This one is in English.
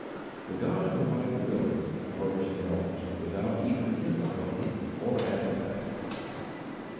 The God who provided the building furnished the helpers, without either difficulty or advertising.